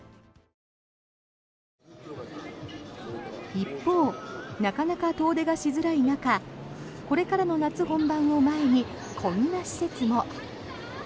一方なかなか遠出がしづらい中これからの夏本番を前にこんな施設も。